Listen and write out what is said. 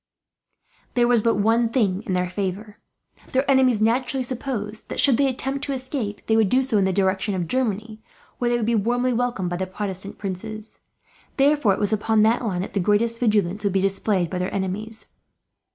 There was but one thing in their favour their enemies naturally supposed that, should they attempt to escape, they would do so in the direction of Germany, where they would be warmly welcomed by the Protestant princes. Therefore it was upon that line that the greatest vigilance would be displayed by their enemies.